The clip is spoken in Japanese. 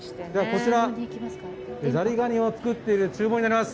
こちらザリガニを作っているちゅう房になります。